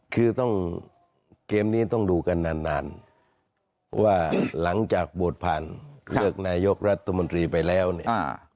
คือต้องเกมนี้ต้องดูกันนานนานว่าหลังจากโหวตผ่านเลือกนายกรัฐมนตรีไปแล้วเนี่ย